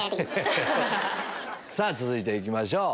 続いて行きましょう。